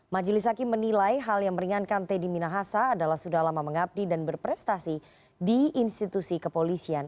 majelis hakim menilai hal yang meringankan teddy minahasa adalah sudah lama mengabdi dan berprestasi di institusi kepolisian